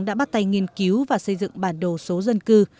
đã bắt tay nghiên cứu và xây dựng bản đồ số dân cư